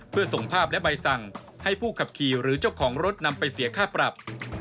เพื่อส่งภาพและใบสั่งให้ผู้ขับขี่หรือเจ้าของรถนำไปเสียค่าปรับ